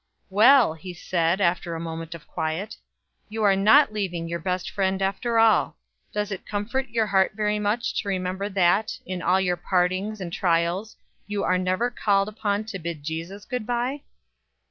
"Well," he said, after a moment of quiet, "you are not leaving your best friend after all. Does it comfort your heart very much to remember that, in all your partings and trials, you are never called upon to bid Jesus good by?"